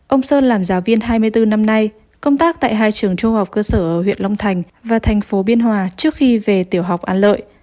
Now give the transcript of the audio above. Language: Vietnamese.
ông sơn làm giáo viên hai mươi bốn năm nay công tác tại hai trường trung học cơ sở ở huyện long thành và thành phố biên hòa trước khi về tiểu học an lợi